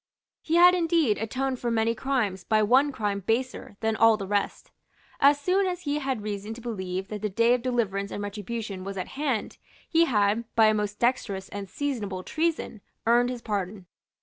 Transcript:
He had indeed atoned for many crimes by one crime baser than all the rest. As soon as he had reason to believe that the day of deliverance and retribution was at hand, he had, by a most dexterous and seasonable treason, earned his pardon.